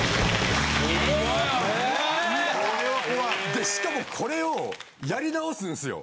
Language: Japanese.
でしかもこれをやり直すんすよ。